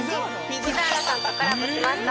ピザーラさんとコラボしました。